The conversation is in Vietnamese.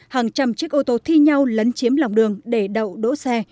hàng trăm chiếc ô tô thi nhau lấn chiếm lòng đường để đậu đỗ xe